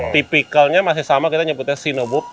tipicalnya masih sama kita nyebutnya cinewoop